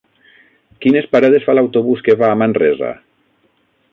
Quines parades fa l'autobús que va a Manresa?